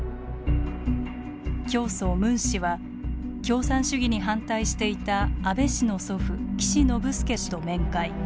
教祖ムン氏は共産主義に反対していた安倍氏の祖父岸信介氏と面会。